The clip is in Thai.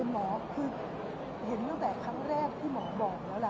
หมอคือเห็นตั้งแต่ครั้งแรกที่หมอบอกแล้วล่ะ